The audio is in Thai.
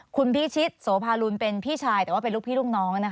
คุณพิชิตโสภาลุนเป็นพี่ชายแต่ว่าเป็นลูกพี่ลูกน้อง